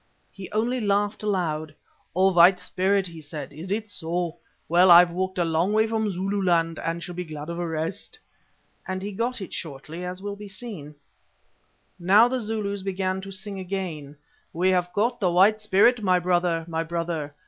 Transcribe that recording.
He only laughed aloud. "Oh! White Spirit," he said, "is it so? Well, I've walked a long way from Zululand, and shall be glad of a rest." And he got it shortly, as will be seen. Now the Zulus began to sing again— "We have caught the White Spirit, my brother! my brother!